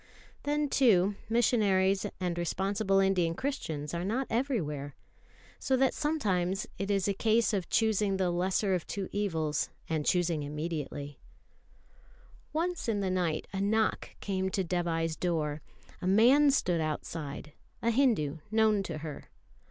Then, too, missionaries and responsible Indian Christians are not everywhere. So that sometimes it is a case of choosing the lesser of two evils, and choosing immediately. [Illustration: LATHA (FIREFLY) BLOWING BUBBLES.] Once in the night a knock came to Dévai's door. A man stood outside, a Hindu known to her.